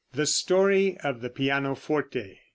THE STORY OF THE PIANOFORTE.